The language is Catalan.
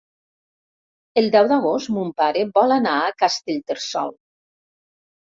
El deu d'agost mon pare vol anar a Castellterçol.